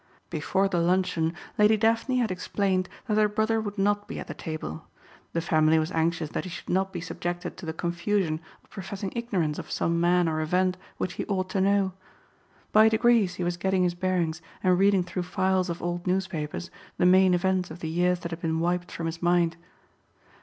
Before the luncheon Lady Daphne had explained that her brother would not be at the table. The family was anxious that he should not be subjected to the confusion of professing ignorance of some man or event which he ought to know. By degrees he was getting his bearings and reading through files of old newspapers the main events of the years that had been wiped from his mind.